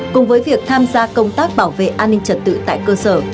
cùng với việc tham gia công tác bảo vệ an ninh trật tự tại cơ sở